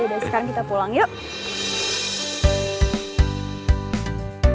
sekarang kita pulang yuk